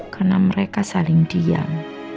karena mereka saling diam